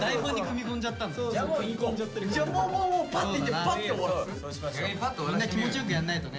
みんな気持ちよくやんないとね。